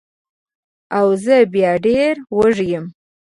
او زه بیا ډېره وږې یم